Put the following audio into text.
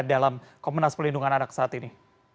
dalam komunas perlindungan anak saat ini